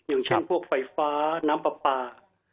อย่างเช่นพวกไฟฟ้าน้ำปลาปลา